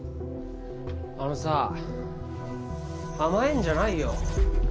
あのさ甘えんじゃないよ